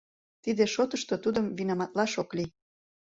Тиде шотышто тудым винаматлаш ок лий.